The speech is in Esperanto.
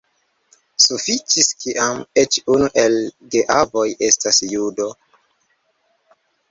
Sufiĉis kiam eĉ unu el la geavoj estas judo.